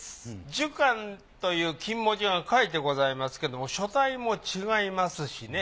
「寿官」という金文字が書いてございますけども書体も違いますしね